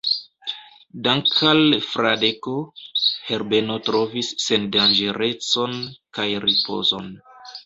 Dank' al Fradeko, Herbeno trovis sendanĝerecon kaj ripozon.